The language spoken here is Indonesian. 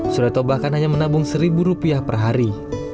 sureto bahkan hanya menabung satu rupiah per hari